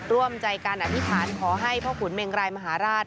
ร่วมใจการอธิษฐานขอให้พ่อขุนเมงรายมหาราช